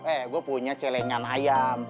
eh gue punya celengan ayam